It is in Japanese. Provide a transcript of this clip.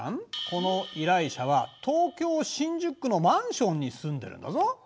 この依頼者は東京・新宿区のマンションに住んでるんだぞ。